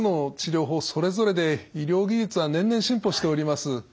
それぞれで医療技術は年々進歩しております。